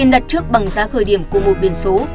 đặt trước bằng giá khởi điểm của một biển số